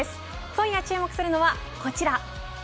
今夜注目するのはこちら。